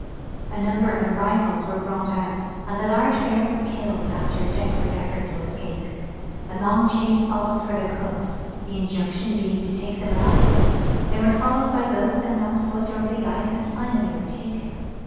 A number of rifles were brought out, and the large bear was killed after a desperate effort to escape. A long chase followed for the cubs, the injunction being to take them alive. They were followed by boats and on foot over the ice and finally were taken.